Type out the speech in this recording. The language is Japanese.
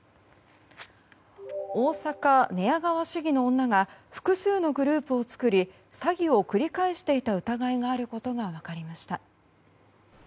大阪・寝屋川市議の女が複数のグループを作り詐欺を繰り返していた疑いがあることが分かりました。